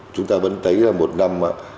chúng ta vẫn thấy là một năm